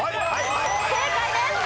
正解です。